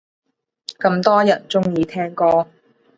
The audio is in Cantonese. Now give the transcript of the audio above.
咁多人鍾意聽歌